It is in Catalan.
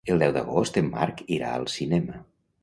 El deu d'agost en Marc irà al cinema.